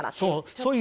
そう。